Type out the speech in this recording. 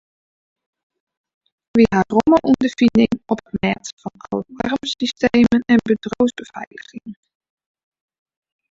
Wy hawwe romme ûnderfining op it mêd fan alarmsystemen en bedriuwsbefeiliging.